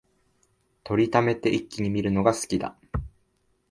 録りためて一気に観るのが好きだ